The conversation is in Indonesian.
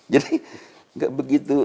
jadi nggak begitu